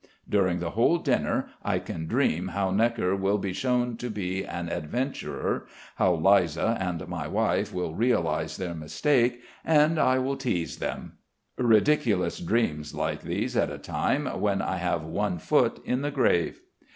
During the whole dinner I can dream how Gnekker will be shown to be an adventurer, how Liza and my wife will realise their mistake, and I will tease them ridiculous dreams like these at a time when I have one foot in the grave.